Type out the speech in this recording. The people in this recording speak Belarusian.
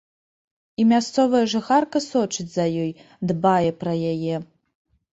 І мясцовая жыхарка сочыць за ёй, дбае пра яе.